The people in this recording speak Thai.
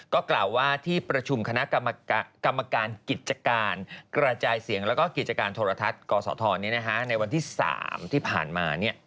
ก็กล่าวว่าที่ประชุมคณะกรรมการกิจการกระจายเสียงแล้วก็กิจการโทรทัศน์กศธในวันที่๓ที่ผ่านมา